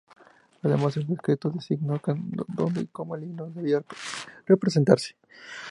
Además, el decreto designó cuándo, dónde y cómo el himno debía representarse.